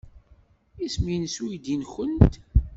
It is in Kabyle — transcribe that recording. Isem-nnes uydi-nwent?